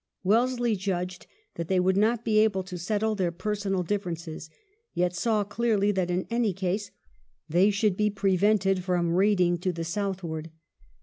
Wellesley judged that they would not be able to settle their personal differences, yet saw clearly that, in any case, they should be prevented from raiding to the southward.